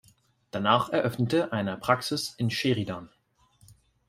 Danach eröffnete er eine Praxis in Sheridan.